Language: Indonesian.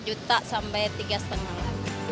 dua juta sampai tiga setengah lagi